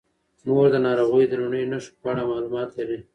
مور د ناروغۍ د لومړنیو نښو په اړه معلومات لري.